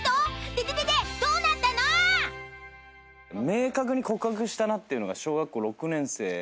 明確に告白したなっていうのが小学校６年生。